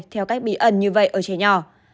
theo cách bí ẩn như vậy ở trẻ nhỏ